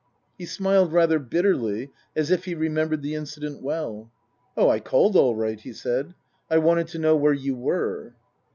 He smiled rather bitterly as if he remembered the incident well. " Oh, I called all right," he said. " I wanted to know where you were."